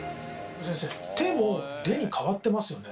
先生「て」も「で」に変わってますよね。